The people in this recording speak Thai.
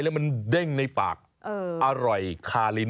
แล้วมันเด้งในปากอร่อยคาลิน